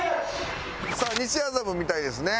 さあ西麻布みたいですね。